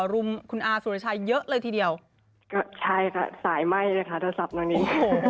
ลุมคุณอาร์สุรชายเยอะเลยทีเดียวใช่ค่ะสายไหม้นะคะโทรศัพท์ล้างนี้